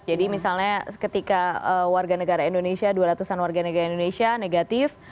jadi misalnya ketika warga negara indonesia dua ratus an warga negara indonesia negatif